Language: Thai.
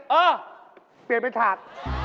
เปลี่ยนเป็นถาด